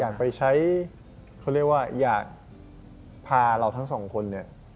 อยากไปใช้เขาเรียกว่าอยากพาเราทั้งสองคนเนี่ย